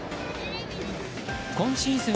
今シーズン